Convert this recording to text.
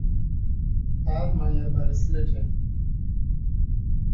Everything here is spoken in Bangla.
তার মায়ের বাড়ি সিলেটে।